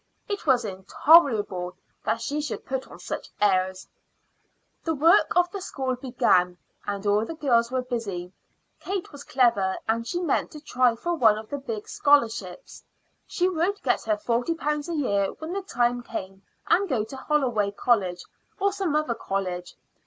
It was intolerable that she should put on such airs. The work of the school began, and all the girls were busy. Kate was clever, and she meant to try for one of the big scholarships. She would get her forty pounds a year when the time came, and go to Holloway College or some other college.